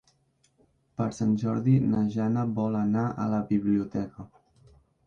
Per Sant Jordi na Jana vol anar a la biblioteca.